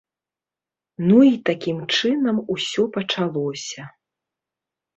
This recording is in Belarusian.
Ну і такім чынам усё пачалося.